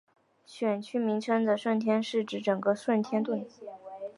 选区名称的顺天是指整个顺天邨。